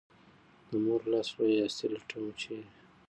د مور لاس لویه هستي لټوم ، چېرې؟